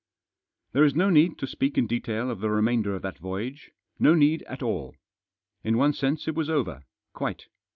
There is no need to speak in detail of the remainder of that voyage, no need at all. In one sense it was over — quite.